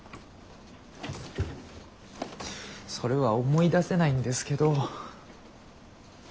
それは思い出せないんですけど。